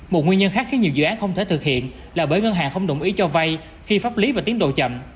một nguyên nhân khác khi nhiều dự án không thể thực hiện là bởi ngân hàng không đồng ý cho vay khi pháp lý và tiến độ chậm